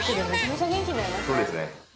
そうですね。